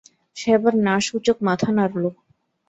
সে আবার না-সূচক মাথা নাড়ল।